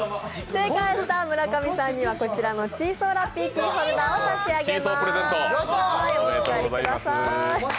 正解した村上さんには、チーソーラッピーキーホルダーを差し上げます。